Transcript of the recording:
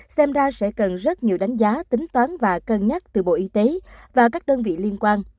xem ra sẽ cần rất nhiều đánh giá tính toán và cân nhắc từ bộ y tế và các đơn vị liên quan